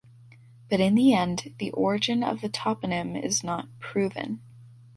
But in the end, the origin of the toponym is not proven.